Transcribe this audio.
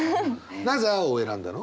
なぜ青を選んだの？